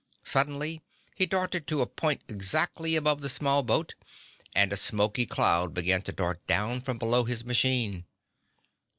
Suddenly he darted to a point exactly above the small boat, and a smoky cloud began to dart down from below his machine.